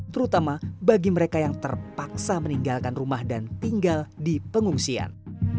terutama bagi mereka yang terpaksa meninggalkan rumah dan tinggal di pengungsian